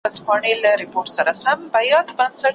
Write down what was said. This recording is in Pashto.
هغه زورواکي اوسمهال د خپل قدرت په مټ پر نورو ظلم کوي.